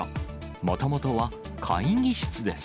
もともとは会議室です。